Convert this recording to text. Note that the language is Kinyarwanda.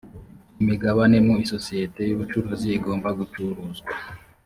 imigabane mu isosiyete y’ubucuruzi igomba gucuruzwa